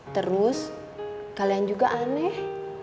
terus kalian juga aneh